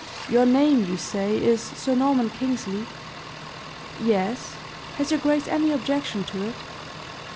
Your name, you say, is Sir Norman Kingsley?" "Yes. Has your grace any objection to it?"